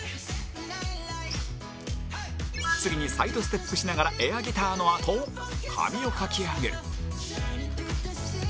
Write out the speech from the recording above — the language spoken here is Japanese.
次にサイドステップしながらエアギターのあと髪をかき上げる